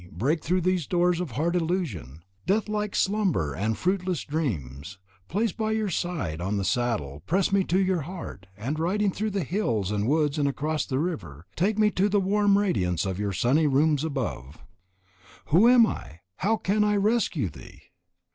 Break through these doors of hard illusion, deathlike slumber and fruitless dreams, place by your side on the saddle, press me to your heart, and, riding through hills and woods and across the river, take me to the warm radiance of your sunny rooms above!" Who am I? Oh, how can I rescue thee?